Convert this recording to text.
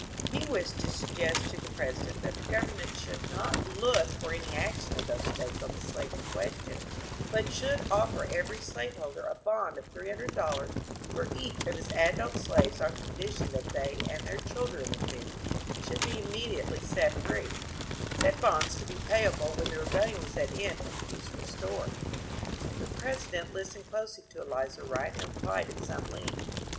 He wished to suggest to the President that the government should not look for any action of those States on the slavery question, but should ofiEer every slave holder a bond of three hundred dollars for each of his adult slaves on condition that they and their children, if any, should be immediately set free ; said bonds to be payable when the rebellion was at an end and peace restored. The President listened closely to Elizur Wright and replied at. some length.